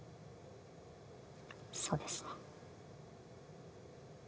そうですね。